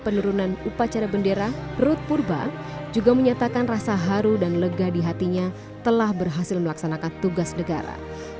penurunan upacara bendera ruth purba juga menyatakan rasa haru dan lega di hatinya telah berhasil melaksanakan tugas negara